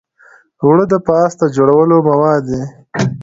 اوړه د پاستا جوړولو مواد دي